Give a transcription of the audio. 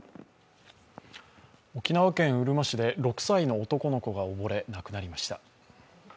沖縄県うるま市で６歳の男の子がおぼれ、亡くなりました。